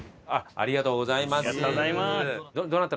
ありがとうございます。